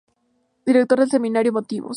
Director del semanario Motivos.